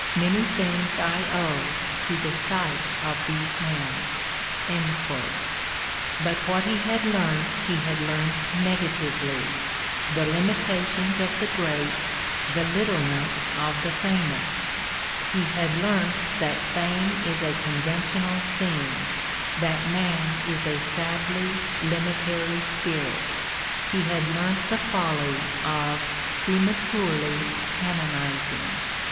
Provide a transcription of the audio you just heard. Many things I owe to the sight of these men. But what he had learnt he had learnt negatively — the limitations of the great, the littleness of the famous ; he had learnt that fame is a conventional thing, that man is a sadly limitary spirit : he had learnt the folly of " prematurely canonising."